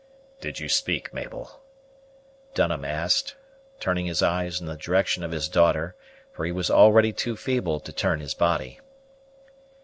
"Did you speak, Mabel?" Dunham asked, turning his eyes in the direction of his daughter, for he was already too feeble to turn his body.